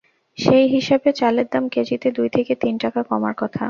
সেই হিসাবে চালের দাম কেজিতে দুই থেকে তিন টাকা কমার কথা।